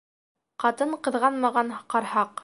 Ҡатын ҡыҙғанмаған ҡарһаҡ.